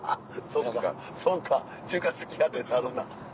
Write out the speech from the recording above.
そうかそうか中華好きやってなるな。